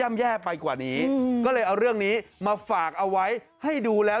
ไม่กินค่ะ